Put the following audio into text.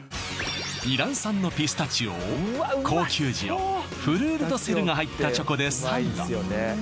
イラン産のピスタチオを高級塩フルール・ド・セルが入ったチョコでサンド